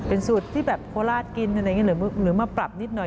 เป็นสูตรที่แบบโคลาสกินหรือมาปรับนิดหน่อย